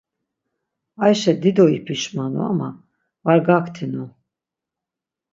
Ayşe dido ipişmanu ama var gaktinu.